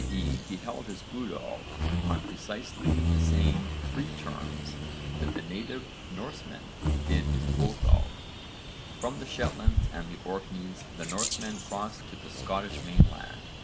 e. he held his udal on precisely the same free terms that the native Norseman did his óðal. From the Shetlands and the Orkneys the Norsemen crossed to the Scottish mainland.